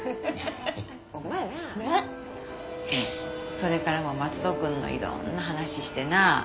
それからも松戸君のいろんな話してな。